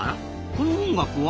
この音楽は？